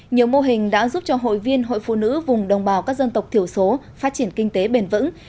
nhiều mô hình đã giúp cho hội viên hội phụ nữ vùng đồng bào các dân tộc thiểu số phát triển kinh tế bền vững